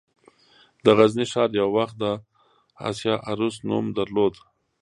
د غزني ښار یو وخت د «د اسیا عروس» نوم درلود